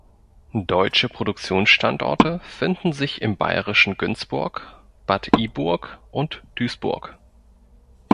Deutsche Produktionsstandorte finden sich im bayerischen Günzburg, Bad Iburg und Duisburg.